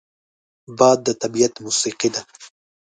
باد د طبیعت موسیقي ده